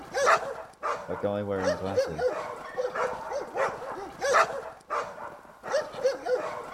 A guy wearing glasses.